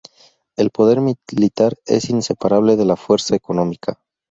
El poder militar es inseparable de la fuerza económica.